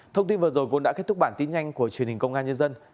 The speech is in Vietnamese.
thông tin vừa rồi cũng đã kết thúc bản tin nhanh của truyền hình công an nhân dân